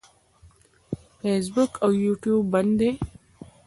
فیسبوک او یوټیوب بند دي.